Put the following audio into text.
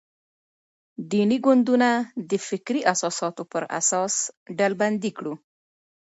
دیني ګوندونه د فکري اساساتو پر اساس ډلبندي کړو.